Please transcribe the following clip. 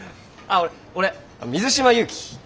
あっ俺水島祐樹。